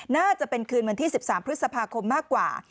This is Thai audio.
น่าจะเป็นคืนวันที่๑๓พฤษภาคมมากกว่า